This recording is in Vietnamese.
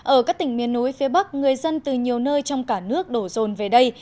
ở các tỉnh miền núi phía bắc người dân từ nhiều nơi trong cả nước đổ rồn về đây